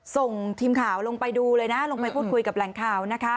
ส่งทีมข่าวลงไปดูเลยนะลงไปพูดคุยกับแหล่งข่าวนะคะ